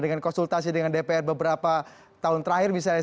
dengan konsultasi dengan dpr beberapa tahun terakhir misalnya